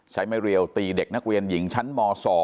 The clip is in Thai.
ไม่เรียวตีเด็กนักเรียนหญิงชั้นม๒